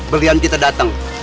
belian kita datang